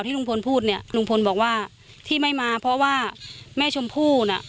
ลุงพลพูดเนี่ยลุงพลบอกว่าที่ไม่มาเพราะว่าแม่ชมพู่น่ะ